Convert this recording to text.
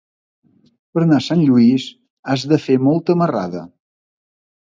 Per anar a Sant Lluís has de fer molta marrada.